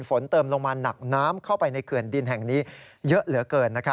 ฝนเติมลงมาหนักน้ำเข้าไปในเขื่อนดินแห่งนี้เยอะเหลือเกิน